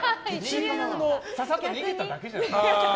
ささっと逃げただけじゃない？